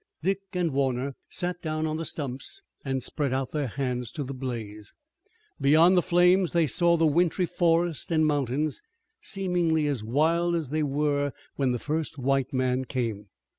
Dick and Warner sat down on the stumps and spread out their hands to the blaze. Beyond the flames they saw the wintry forest and mountains, seemingly as wild as they were when the first white man came.